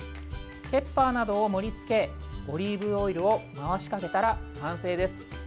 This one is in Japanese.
ケッパーなどを盛りつけオリーブオイルを回しかけたら完成です。